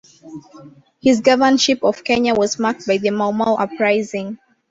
His governorship of Kenya was marked by the Mau Mau uprising.